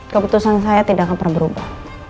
keputusan saya tidak akan pernah berubah